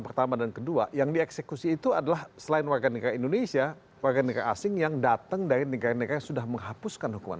terima kasih pak